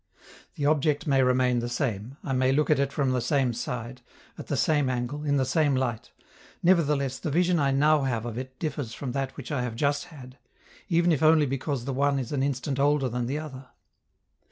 The object may remain the same, I may look at it from the same side, at the same angle, in the same light; nevertheless the vision I now have of it differs from that which I have just had, even if only because the one is an instant older than the other.